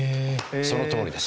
そのとおりです。